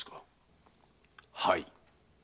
はい。